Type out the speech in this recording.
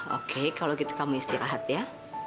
oke kalau gitu kamu istirahat ya